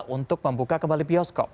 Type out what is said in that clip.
untuk membuka kembali bioskop